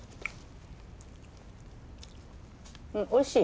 んおいしい。